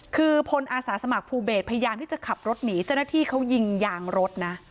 คือพลอาสาสมัครภูเบสพยายามที่จะขับรถหนีเจ้าหน้าที่เขายิงยางรถนะ